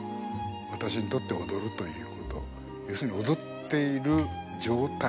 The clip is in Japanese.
私にとって踊るということ要するに踊っている状態